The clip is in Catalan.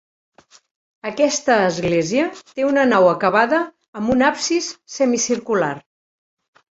Aquesta església té una nau acabada amb un absis semicircular.